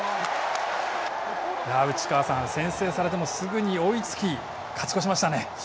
内川さん、先制されてもすぐに追いつき、勝ち越しました